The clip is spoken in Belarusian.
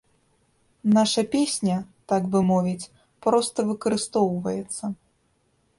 Наша песня, так бы мовіць, проста выкарыстоўваецца.